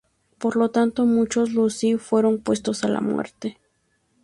Por lo tanto, muchos Lozi fueron puestos a la muerte.